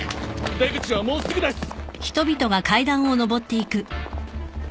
出口はもうすぐです！